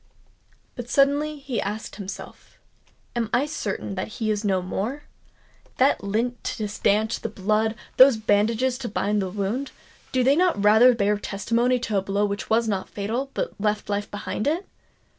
But suddenly he asked himself—"Am I certain that he is no more? That lint to stanch the blood—those bandages to bind the wound,—do they not rather bear testimony to a blow which was not fatal, but left life behind it?